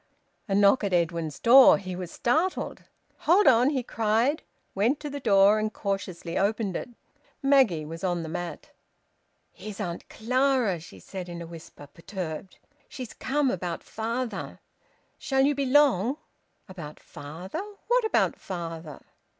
A knock at Edwin's door! He was startled. "Hold on!" he cried, went to the door, and cautiously opened it. Maggie was on the mat. "Here's Auntie Clara!" she said in a whisper, perturbed. "She's come about father. Shall you be long?" "About father? What about father?"